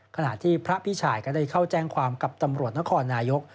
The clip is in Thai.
ขณะที่พระพิชัยก็ได้เข้าแจ้งความกับตำรวจนครนายก